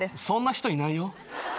そんな人いないよ。